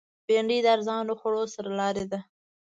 بېنډۍ د ارزانه خوړو سرلاری ده